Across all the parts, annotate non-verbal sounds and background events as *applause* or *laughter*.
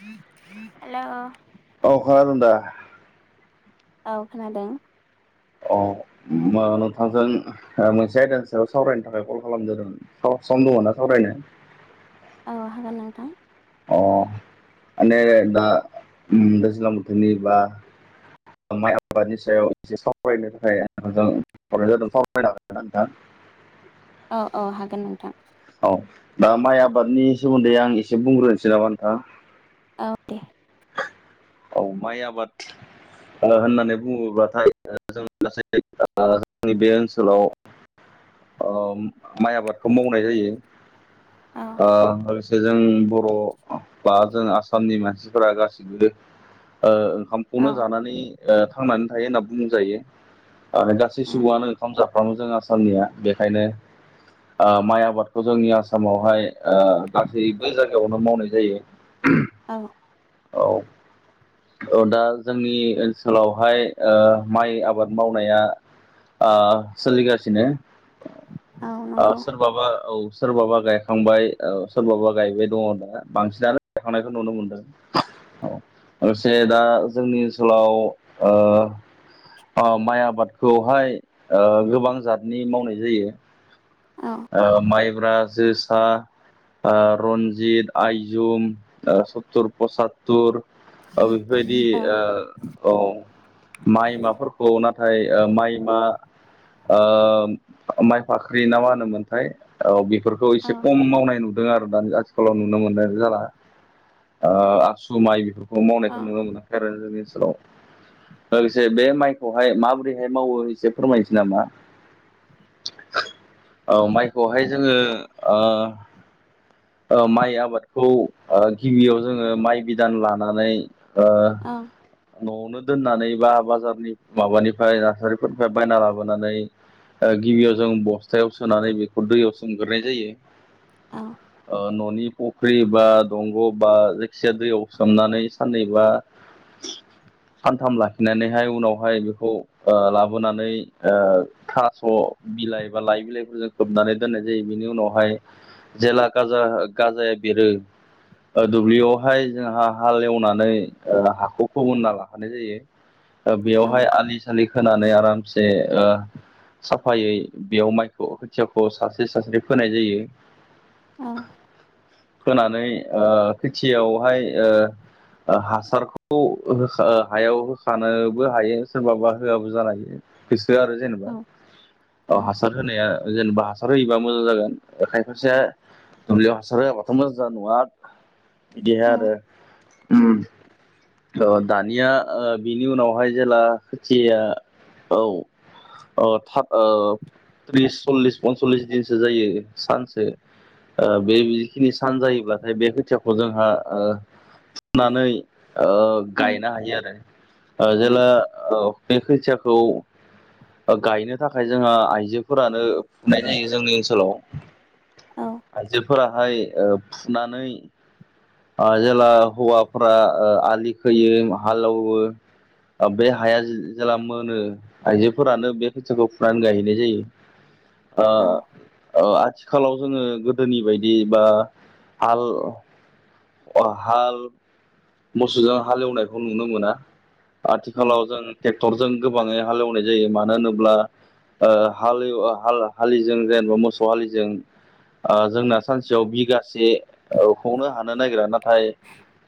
*inaudible* हेल' औ खोनादों दा औ खोनादों अ नोंथांजों मोनसे आयदानि सायाव सावरायनो थाखाय कल खालाम जादोंमोन थ' सम दङ ना सावरायनो औ हागोन नोंथां अ माने दा दैज्लां बोथोरनि बा माइ आबादनि सायाव एसे सावरायनो थाखाय नोंथांजों हरनाय *unintelligible* औ औ हागोन नोंथां औ दा माइ आबादनि सोमोन्दै आं एसे बुंग्रोनोसै नामा नोंथां औ दे औ माइ आबाद होननानै बुङोब्लाथाय जों गासै जोंनि बे ओनसोलाव *unintelligible* अ माइ आबादखौ मावनाय जायो औ ओ लोगोसे जों बर' बा जों आसामनि मानसिफोरा गासिबो ओ ओंखाम औ खौनो जानानै थांनानै थायो होनना बुं जायो गासै उम सुबुङानो ओंखाम जा फ्रामो जों आसामनिया बेखायनो आ माइ आबादखौ जोंनि आसामावहाय ओ गासैबो जायगायावनो मावनाय जायो *inaudible* औ औ औ दा जोंनि ओनसोलावहाय ओ माइ आबाद मावनाया आ सोलिगासिनो औ सोरबाबा औ सोरबाबा गायखांबाय सोरबाबा गायबाय दङ होन बांसिनानो गायखांनायखौ नुनो मोनदों लोगोसे दा जोंनि ओनसोलाव ओ अ माइ आबादखौहाय ओ गोबां जातनि मावनाय जायो औ ओ माइब्रा जोसा ओ रनजित आइजुम ओ सतुर प्रसाद थुर ओ बेफोरबायदि औ औ माइ माफोरखौ नाथाय ओ माइ मा ओ माइ फाख्रि ना मा होनोमोन थाय औ बेफोरखौ औ एसे खम मावनाय नुदों आरो दानि आथिखालाव नुनो मोननाय जाला ओ आसु माइ बेफोरखौ औ मावनायखौ नुनो मोनाखै आरो जोंनि ओनसोलाव लोगोसे बे माइखौहाय माबोरैहाय मावो एसे फोरमायनोसै नामा औ माइखौहाय जोङो ओ औ माइ आबादखौ ओ गिबियाव जोङो माइ बिदान लानानै ओ औ न'आवनो दोननानै बा बाजारनि माबानिफ्राय नार्सारिफोरनिफ्राय बायना लाबोनानै ए गिबियाव जों बस्थायाव सोनानै बेखौ दैयाव सोमग्रोनाय जायो औ ओ न'नि फुख्रि बा दंग' बा जायखिजाया दैयाव सोमनानै साननैबा सानथाम लाखिनानैहाय उनावहाय बेखौ ओ लाबोनानै ओ थास' बिलाइ बा लाइ बिलाइफोरजों होबनानै दोननाय जायो बिनि उनावहाय जेला गाजा गाजाया बेरो ओ दुब्लियावहाय जोंहा हाल एवनानै ओ हाखौ फोमोनना लाखानाय जायो ओ औ बेयावहाय आलि सालि खोनानै आरामसे ओ साफायै बेयाव माइखौ खोथियाखौ सासे सासे फोनाय जायो औ होनानै ओ खोथियावहाय ओ हासारखौ हो हायाव होखानोबो हायो सोरबाबा होआबो जानो हायो। गोसो आरो औ जेनेबा अ हासार होनाया ओ जेनेबा हासार होयोबा मोजां जागोन खायफासेया दुब्लियाव हासार होवाबाथ मोजां जानाय नुवा बिदिहाय औ उम आरो दानिया ओ बिनि उनावहाय जेला खोथिया औ अ था ओ बिस सल्लिस पनसल्लिस दिनसो जायो सानसो ओ बे जिखिनि सान जायोब्लाथाय बे खोथियाखौ जोंहा ओ फुनानै ओ उम गायनो हायो आरो ओ उम जेला औ बे खोथियाखौ ओ गायनो थाखाय जोंहा आइजोफोरानो फुनाय जायो जोंनि ओनसोलाव। औ आइजोफोराहाय ओ फुनानै आ जेला हौवाफ्रा आलि खोयो हालेवो ओ बे हाया जेला मोनो आइजोफोरानो बे खैथाखौ फुनानै गायहैनाय जायो। औ ओ आथिखालाव जोङो गोदोनि बायदि बा हाल अ हाल मोसौजों हालेवनायखौ नुनो मोना। उम आथिखालाव जों ट्रेक्टरजों गोबाङै हालेवनाय जायो मानो होनोब्ला ओ हालिव ओ हाल हा-हालिजों जेनेबा मोसौ हालिजों ओ जोंना सानसेयाव बिगासे हनो हानो नागिरा नाथाय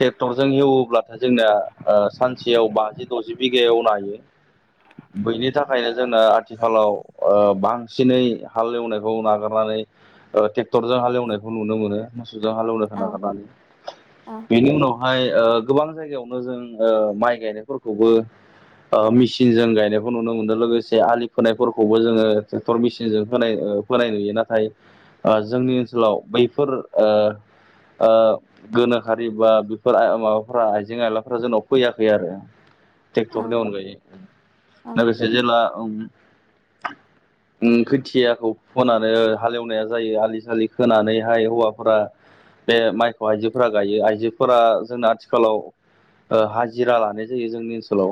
ट्रेक्टरजों हेवोब्लाथाय जोंनाया ओ सानसेयाव बाजि दजि बिगा जवनो हायो। *inaudible* बैनि थाखायनो जोंनो आथिखालाव ओ बांसिनै हाल एवनायखौ नागारनानै ओ ट्रेक्टरजों हालेवनायखौ नुनो मोनो मोसौजों हालेवनायखौ नागारनानै। आ बेनि उनावहाय ओ गोबां जायगायावनो जों ओ माइ गायनायफोरखौबो ओ मेसिनजों गायनायखौ नुनो मोनो लोगोसे आलि फोनायफोरखौबो जोङो ट्रेक्टर मेसिनजों खोनाय ओ खोनाय नुयो नाथाय ओ जोंनि ओनसोलाव बैफोर ओ ओ गोनोखारि बा बेफोर आ माबाफ्रा आइजें आयलाफ्रा जोंनाव फैयाखै आरो। औ ट्रेक्टरनि अनगायै उम लोगोसे जेला ओम खोथियाखौ फोननानै हालेवनाया जायो आलि सालि खोनानैहाय हौवाफोरा बे माइखौ आइजोफोरा गायो आइजोफोरा जोंना आथिखालाव ओ हाजिरा लानाय जायो जोंनि ओनसोलाव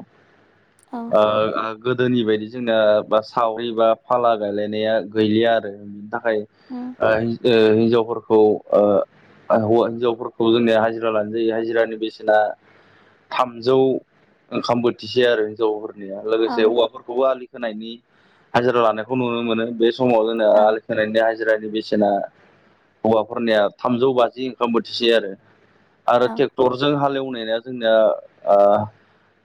औ ओ आ गोदोनि बायदि जोंना बा सावरि बा फाला गायलायनाया गैलिया आरो। थाखाय ओ हिनजावफोरखौ ओ हौवा हिनजावफोरखौ जोंनिया हाजिरा लानाय जायो हाजिरानि बेसेना थामजौ ओंखाम बोथिसेै आरो हिनजावफोर निया लोगोसे हौवाफोरखौबो आलि खोनायनि हाजिरा लानायखौ नुनो मोनो बे समाव जोंना आलि खोनायनि हाजिरानि बेसेना हौवाफोरनिया थामजौ बाजि ओंखाम बोथिसे आरो आरो औ ट्रेक्टरजों हालेवनाया जोंनिया आ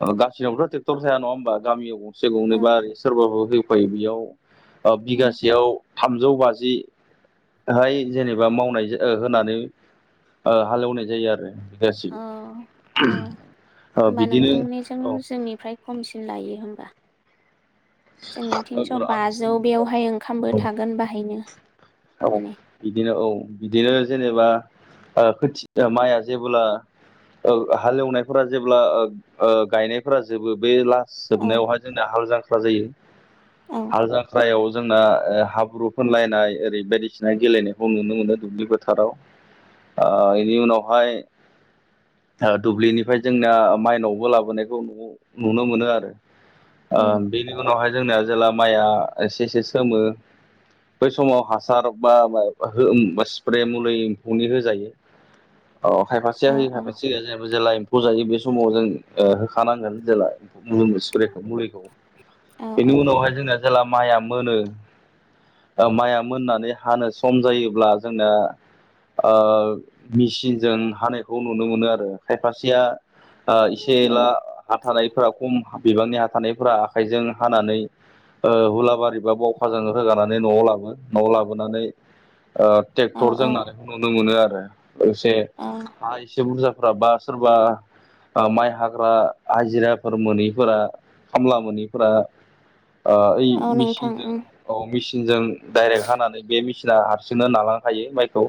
ओ गसिनिावथ ट्रेक्टर थाया नङा होमबा गामियाव गंसे गंनै बा औ सोरबाबो होफायो बेयाव उम बिगासेयाव थामजौ बाजिहाय जेनेबा मावनाय जा ओ होनानै ओ हालेवनाय जायो आरो बिगासै औ ओ ओ होमबा बिदिनो नोंथांमोननिजों औ जोंनिफ्राय खमसिन लायो होमबा। जोंनि तिनस आं एसे बाजौ बेयावहाय ओंखामबो औ थागोन बाहायनो। औ माने बिदिनो औ बिदिनो जेनेबा ओ खोथि माइआ जेबोला ओ हालेवनायफोरा जेब्ला ओ ओ गायनायफोरा जोबो बे लास औ जोबनायावहाय जोंना हाल जांख्ला जायो। औ हाल जाख्रायाव जोंना हाब्रु फोनलायनाय ओरै बायदिसिना गेलेनायखौ नुनो मोनो दुब्लि फोथाराव। आ बेनि उनावहाय ओ दुब्लिनिफ्राय जोंनाया माइनावबो लाबोनायखौ नु नुनो मोनो आरो। ओ उम बेनि उनावहाय जोंना जेला माइया एसे एसे सोमो बै समाव हा सार बा हो स्प्रे मुलै एम्फौनि होजायो। अ खायफासेया औ होयो औ खायफासे होया *unintelligible* जेला एम्फौ जायो बे समाव जों ओ होखानांगोन जेला *unintelligible* स्प्रेखौ मुलिखौ। बेनि उनावहाय जोंना जेला माइया मोनो ओ माइया मोननानै हानो सम जायोब्ला जोंना ओ मिसिनजों हानायखौ नुनो मोनो आरो। खायफासेया ओ इसे एला उम हा थानायफोरा खम बिबांनि हा थानायफोरा आखाइजों हानानै ओ हुलाबारि बा बावखाजों होगानानै न'आव लाबो न'वाव लाबोनानै ओ औ टेक्टरजों औ नानायखौ नुनो मोनो आरो। लोगोसे आ हा एसे बुरजाफोरा बा सोरबा बा माइ हाग्रा हाजिराफोर मोैफोरा खामला मोनैफोरा ओ ओइ औ नोंथां मिचिनजों औ मिचिनजों डाइरेक्ट हानानै बे मिसिना हारसिंनो नालांखायो माइखौ।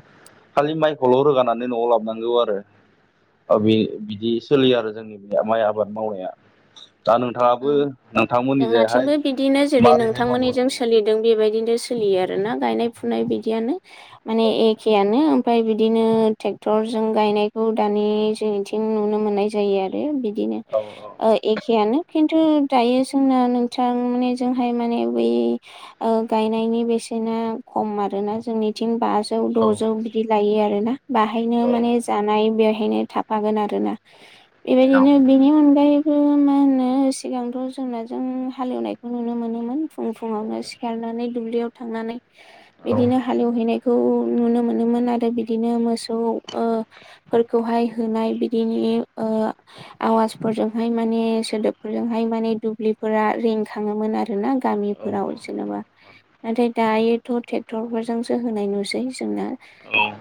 खालि माइखौल' रोगानानै न'आव लाबनांगौ आरो। ओ बे बिदि सोलियो आरो जोंनि बे माइ आबाद मावनाया। दा नों थाङाबो नोंथांमोनि जायहाय जोंनाथिंबो बिदिनो जेरै मोरैहाय मावो नोंथांमोननिजों सोलिदों बेबायदिनो सोलियो आरोना गायनाय फुनाय बिदियानो माने एखेयानो ओम फाय बिदिनो ट्रेक्टरजों गायनायखौ दानि जोंनिथिं नुनो मोननाय जायो आरो। बिद दिनो औ ओ एखेयानो खिन्थु दायो जोंना नोंथां माने जोंहाय माने बै ओ गायनायनि बेसेना खम आरोना। जोंनि थिं बाजौ औ द'जौ बिदि लायो आरोना बाहायनो औ औ माने जानाय बेवहायनो था फागोन आरोना। औ बेबायदिनो बिनि अनगायैबो मा होनो ओ सिगांथ' जोंनाजों हालेवनायखौ नुनो मोनोमोन फुं फुङावनो सिखारनानै दुब्लियाव थांनानै औ बिदिनो हालेवहैनायखौ नुनो मोनोमोन आरो बिदिनो मोसौ ओ फोरखौहाय होनाय बिदिनि ओ आवाजफोरजोंहाय माने सोदोब फोरफोरजोंहाय माने दुब्लिफोरा रिंखाङोमोन आरो ना गामिफोराव जेनबा नाथाय दायोथ' ट्रेक्टर फोरजोंसो होनाय नुसै। जोंना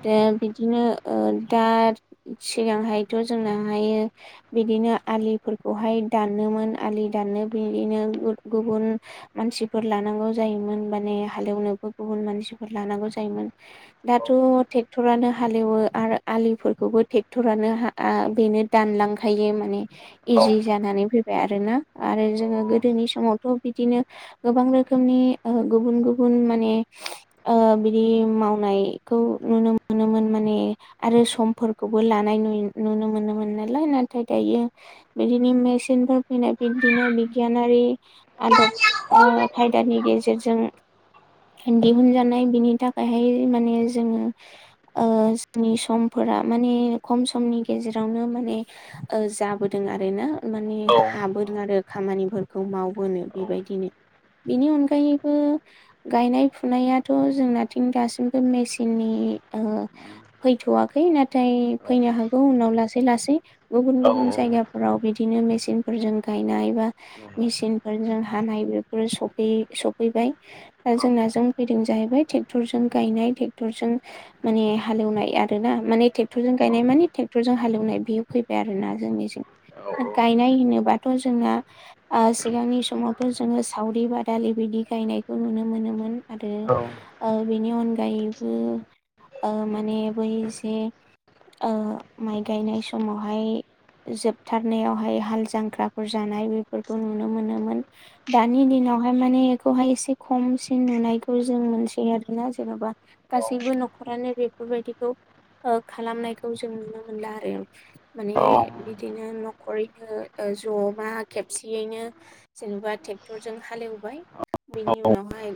दा बिदिनो ओ दा सिगांहायथ' जोंनाहायो बिदिनो आलिफोरखौहाय दानोमोन आलि दाननो बिदिनो गु गुबुन मानसिफोर लानांगौ जायोमोन माने हालेवनोबो गुबुन मानसिफोर लानांगौ जायोमोन। दाथ' टेक्टरानो हालेवो आरो आलिफोरखौबो टेक्टरानो हा आ बेनो दानलांखायो माने इजि जानानै फै बाय आरोना आरो जोङो गोदोनि समावथ' बिदिनो गोबां रोखोमनि ओ गुबुन गुबुन माने ओ बिदि मावनायखौ नुनो मोनोमोन माने आरो समफोरखौबो लानाय नुयो नुनो मोनोमोन नालाय। नाथाय दायो बिदिनि मेसिनफोर फैनाय बिबदिनो बिगियानारि आदब ओ खायदानि गेजेरजों दिहुनजानाय बिनि थाखायहाय माने जोङो ओ जोंनि समफोरा माने खम समनि गेजेरावनो माने जाबोदों आरो ना *unintelligible* औ हाबोदों आरो खामानिफोरखौ मावबोनो औ औ बेबायदिनो बेनि अनगायैबो गायनाय फुनायाथ' जोंनाथिं दासिमबो मेसिननि ओ उम औ फैथ'वाखै नाथाय फैनो हागौ उनाव लासै लासै। गुबुन गुबुन जायगाफोराव बिदिनो मेसिन। फोरजों गायनाय बा मेसिनफोरजों हानाय बेफोरो सफै सफैबाय। दा जोंनाजों फैदों जाहैबाय ट्रेक्टरजों गायनाय ट्रेक्टरजों माने हालेवनाय आर ना माने ट्रेक्टरजों गायनाय माने ट्रेक्टरजों हालेवनाय बियो फैबाय आरो ना जोंनि गायनाय होनोबाथ' जोंना। सिगांनि समावथ' जोङो सावरि बादालि बिदि गायनायखौ नुनो मोनोमोन। आरो ओ बेनि अनगायैबो ओ माने बै जे माइ गायनाय समावहाय जोबथारनायावहाय हाल जां ख्राफोर जानाय बेफोरखौ नुनो मोनोमोन। दानि दिनावहाय माने बेखौहाय एसे खमसिन नुनायखौ जों मोनसै आरोना जेन'बा। गासैबो न'खरानो बेफोरबायदिखौ खालामनायखौ जों नुनो मोनला आरो माने बिदिनो न'खरैनो ज'मा खेबसेयैनो जेनेबा ट्रेक्टरजों हालेवबाय। बेनि उनावहाय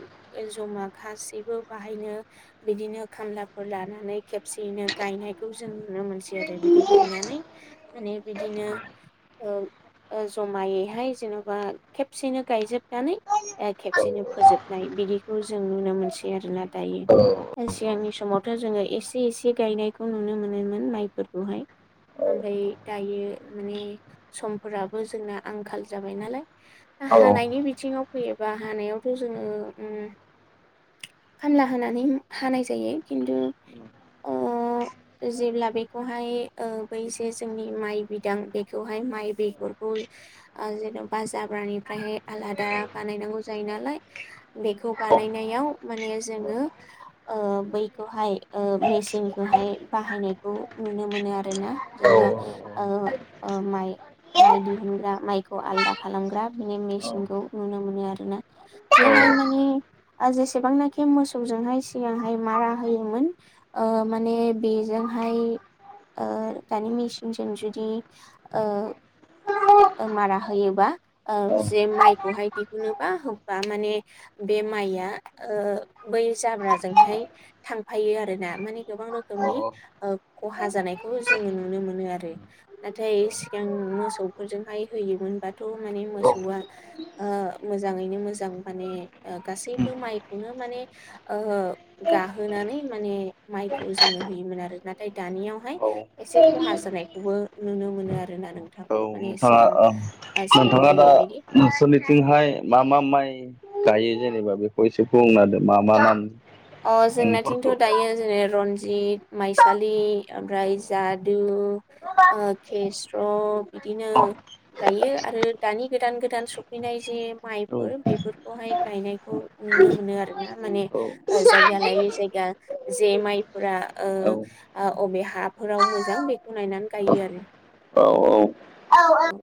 जमा गासैबो बाहायनो बिदिनो खामलाफोर लानानै खेबसेयैनो गायनाय। खौ जों नुनो मोनसै आरो बिदि गायनानै माने बिदिनो जमायैहाय जेनबा खेबसेनो गायजोबनानै खेबसेनो फोजोबनाय बिदिखौ जों नुनो मोनसै आरोना। दायो सिगांनि समाव जोङो एसे एसे गायनायखौ नुनो मोनोमोन माइफोरखौहाय। ओमफ्राय दायो माने सम फोराबो जोंना आंखाल जाबाय नालाय हानायनि बिथिङाव फैयोबा हानायावथ जोङो खामला होनानै हानाय जायो। खिन्थु अ *unintelligible* जेब्ला बेखौहाय ओ बै जे जोंनि माइ बिदां बेखौहाय माइ बि बेफोरखौ जेनबा जाब्रानिफ्रायहाय आलादा बानायनांगौ जायो नालाय। बेखौ बानायनायाव माने जोङो बैखौहाय मेसिनखौहाय बाहायनायखौ नुनो मोनो आरोना। औ जेनेबा ओ ओ माइ माइ दिहुनग्रा माइखौ आलदा खालामग्रा बिनि मेसिनखौ नुनो मोनो आरो ना। बेवहाय माने जेसेबांनाखि मोसौजोंहाय सिगांहाय मारा होयोमोन। ओ माने बेजोंहाय। दानि मेसिनजों जुदि मारा होयोबा ओ जे माइखौहाय दिहुनोबा होमबा माने बे माइया बै जाब्राजोंहाय थांफायो आरो ना माने गोबां रोखोमनि खहा जानायखौ जोङो नुनो मोनो आरो। नाथाय सिगां मोसौ मोसौफोरजोंहाय होयोमोनबाथ माने मोसौआ मोजाङैनो मोजां माने गासैबो माइखौनो माने ओ गाहोनानै माने माइखौ जोङो होयोमोन आरो नाथाय दानियाव एसे खहा जानायखौबो नुनो मोनो आरोना नोंथां। औ माने नोंथाङा सिगां ओ ओ सिगां नोंथाङा दा जेरैबायदि नों सोरोरनिथिंहाय मा मा माइ गायो जेनेबा बेखौ एसे बुंना होदो मा मा नाम अ जोंनाथिंथ दायो जेरै रनजित माइसालि ओमफ्राय जादु ओ केेस्र बिदिनो औ गायो आरो दानि गोदान गोदान सफैनाय जे औ माइफोर बेफोरखौहाय गायनायखौ नुनो मोनो आरो ना माने ओ जायगा लायै जायगा जे माइफोरा ओ औ ओ अबे हाफोराव मोजां बेखौ नायनानै गायो आरो ना। औ औ